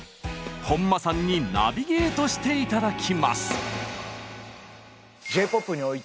本間さんにナビゲートして頂きます！